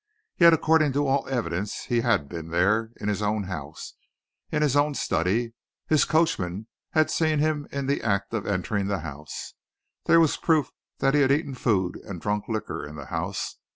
Yet, according to all the evidence, he had been there, in his own house, in his own study. His coachman had seen him in the act of entering the house; there was proof that he had eaten food and drunk liquor in the house.